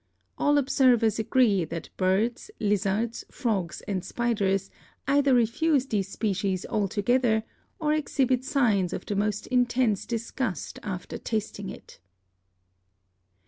All observers agree that birds, lizards, frogs and spiders either refuse this species altogether or exhibit signs of the most intense disgust after tasting it."